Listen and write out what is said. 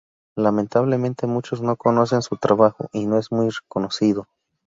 Lamentablemente muchos no conocen su trabajo y no es muy reconocido.